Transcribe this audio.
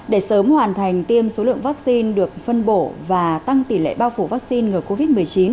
để sớm hoàn thành tiêm số lượng vaccine được phân bổ và tăng tỷ lệ bao phủ vaccine ngừa covid một mươi chín